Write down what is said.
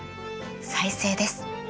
再生です。